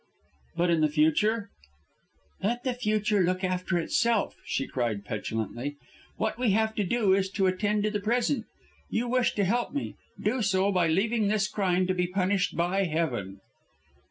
"But in the future?" "Let the future look after itself," she cried petulantly. "What we have to do, is to attend to the present. You wish to help me. Do so by leaving this crime to be punished by Heaven."